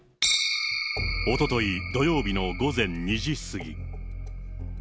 おととい土曜日の午前２時過ぎ。